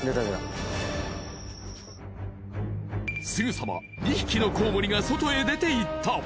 すぐさま２匹のコウモリが外へ出て行った。